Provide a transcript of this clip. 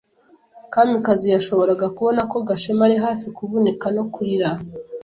Kamikazi yashoboraga kubona ko Gashema ari hafi kuvunika no kurira.